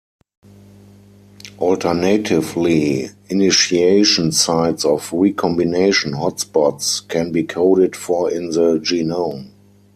Alternatively, initiation sites of recombination hotspots can be coded for in the genome.